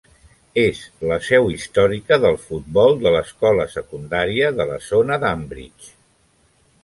Es la seu històrica del futbol de l'escola secundària de la zona d'Ambridge.